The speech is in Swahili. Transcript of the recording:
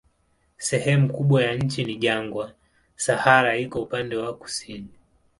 Sehemu kubwa ya nchi ni jangwa, Sahara iko upande wa kusini.